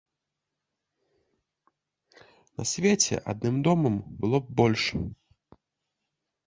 На свеце адным домам было б больш.